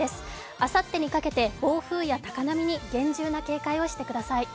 あさってにかけて暴風や高波に厳重な対策をしてください。